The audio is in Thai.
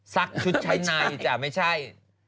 ชุดชั้นในจ้ะไม่ใช่